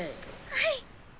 はい！